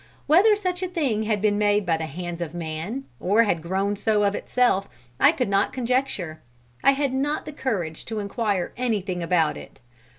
Whether such a thing had been made by the hands of man, or had grown so of itself, I could not conjecture. I had not the courage to inquire anything about it.